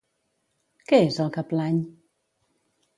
Què és el que plany?